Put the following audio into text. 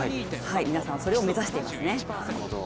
皆さんそれを目指していますね。